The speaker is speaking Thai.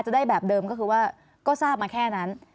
ได้แบบเดิมก็คือว่าก็ทราบมาแค่นั้น